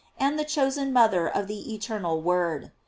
407 the chosen mother of the Eternal Word.